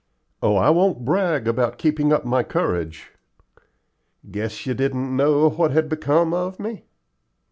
"Oh, I won't brag about keeping up my courage." "Guess you didn't know what had become of me?"